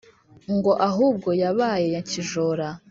Ngo ahubwo yabaye nyakijoro